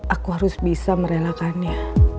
aku harus bisa merelakannya